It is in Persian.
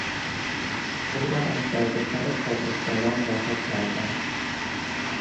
او را از دردسر پاسخ دادن راحت کردم.